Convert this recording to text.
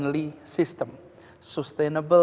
pada sistem yang lebih terbaik